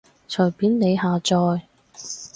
隨便你下載